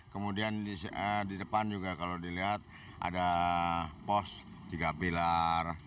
kemudian di depan juga kalau dilihat ada pos tiga pilar